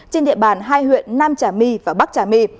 trên địa bàn hai huyện nam trà my và bắc trà my